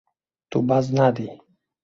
Tu baz nadî.